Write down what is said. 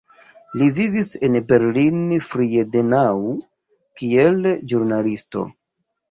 Li vivis en Berlin-Friedenau kiel ĵurnalisto.